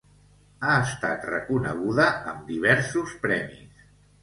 Ha estat reconeguda amb diversos premis.